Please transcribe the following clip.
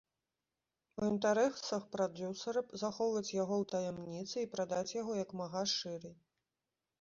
У інтарэсах прадзюсара захоўваць яго ў таямніцы і прадаць яго як мага шырэй.